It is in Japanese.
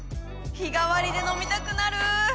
日替わりで飲みたくなる！